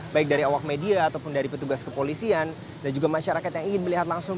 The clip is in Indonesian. baik dari awak media ataupun dari petugas kepolisian dan juga masyarakat yang ingin melihat langsung